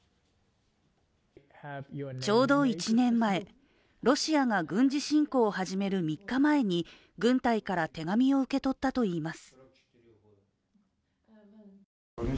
ちょうど１年前、ロシアが軍事侵攻を始める３日前に軍隊から手紙を受け取ったといいます。